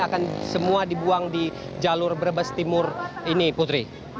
akan semua dibuang di jalur brebes timur ini putri